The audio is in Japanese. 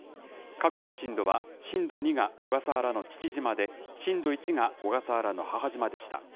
各地の震度は、震度２が小笠原の父島で、震度１が小笠原の母島でした。